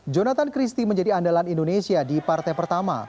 jonathan christie menjadi andalan indonesia di partai pertama